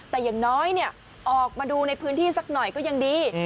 แต่อย่างน้อยออกมาดูในพื้นที่สักหน่อยก็ยังดี